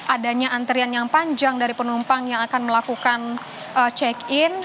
adanya antrian yang panjang dari penumpang yang akan melakukan check in